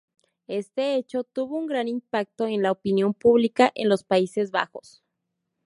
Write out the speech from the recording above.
Este hecho tuvo un gran impacto en la opinión pública en los Países Bajos.